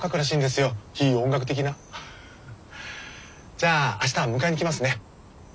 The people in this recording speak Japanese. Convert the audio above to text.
じゃあ明日迎えに来ますね。